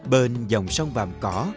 bên dòng sông vàng cỏ